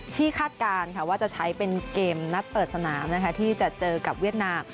คาดการณ์ว่าจะใช้เป็นเกมนัดเปิดสนามที่จะเจอกับเวียดนาม